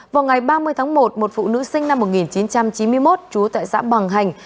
vào ngày ba mươi tháng một một phụ nữ sinh năm một nghìn chín trăm chín mươi một trú tại xã bằng hành